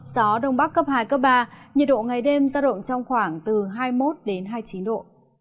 gió đông bắc cấp hai cấp ba nhiệt độ ngày đêm ra động trong khoảng từ hai mươi một hai mươi chín độ